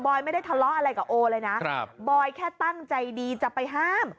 ไม่ได้ทะเลาะอะไรกับโอเลยนะครับบอยแค่ตั้งใจดีจะไปห้าม